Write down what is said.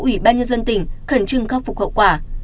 ubnd tỉnh khẩn trưng khắc phục hậu quả